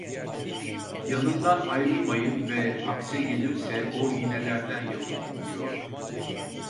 "Yanından ayrılmayın ve akse gelirse o iğnelerden yapın" diyordu.